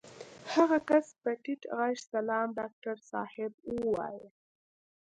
هغه کس په ټيټ غږ سلام ډاکټر صاحب ووايه.